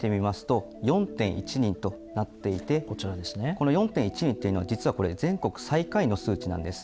この４．１人というのは実はこれ全国最下位の数値なんです。